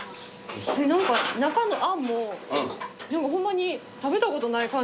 何か中のあんもホンマに食べたことない感じの。